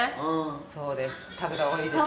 そうです。